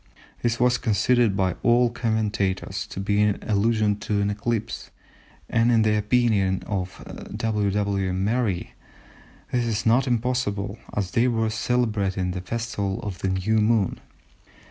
This was considered by old commentators to be an allusion to an eclipse, and in the opinion of W. W. Merry "this is not impossible, as they were celebrating the Festival of the New Moon."